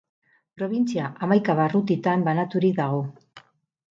Probintzia hamaika barrutitan banaturik dago.